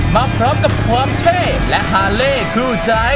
มาพร้อมกับความเท่และฮาเล่คู่ใจ